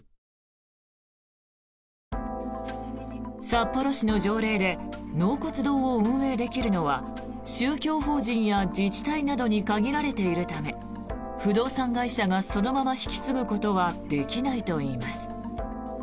札幌市の条例で納骨堂を運営できるのは宗教法人や自治体などに限られているため不動産会社がそのまま引き継ぐことはできないといいます。